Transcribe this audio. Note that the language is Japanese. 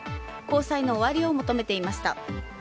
交際の終わりを求めていました。